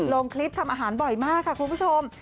ลงคลิปทำอาหารบ่อยมากค่ะคุณผู้ชม